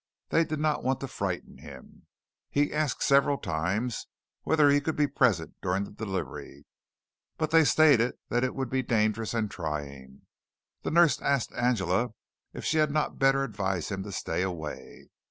They did not want to frighten him. He asked several times whether he could be present during the delivery, but they stated that it would be dangerous and trying. The nurse asked Angela if she had not better advise him to stay away.